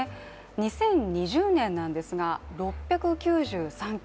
２０２０年なんですが、６９３件。